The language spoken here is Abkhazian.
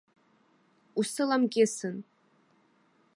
Усыламкьысын.